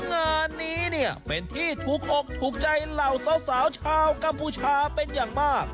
งานนี้เนี่ยเป็นที่ถูกอกถูกใจเหล่าสาวชาวกัมพูชาเป็นอย่างมาก